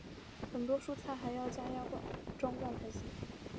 很多蔬菜还要加压装罐才行。